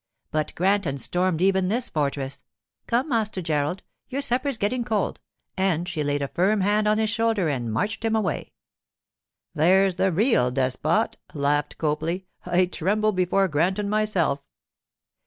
But Granton stormed even this fortress. 'Come, Master Gerald; your supper's getting cold,' and she laid a firm hand on his shoulder and marched him away. 'There's the real despot,' laughed Copley. 'I tremble before Granton myself.